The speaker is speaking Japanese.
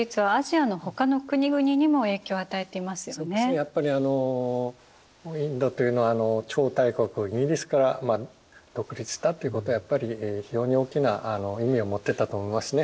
やっぱりあのインドというのは超大国イギリスから独立したっていうことはやっぱり非常に大きな意味を持ってたと思いますね。